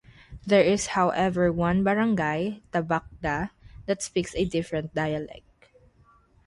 There is however one barangay, Tabacda, that speaks a different dialect.